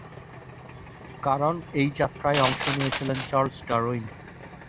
কারণ এই যাত্রায় অংশ নিয়েছিলেন চার্লস ডারউইন।